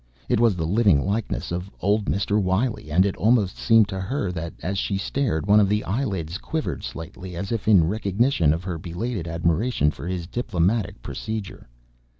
It was the living likeness of old Mr. Wiley and it almost seemed to her that, as she stared, one of his eyelids quivered slightly as if in recognition of her belated admiration for his diplomatic procedure.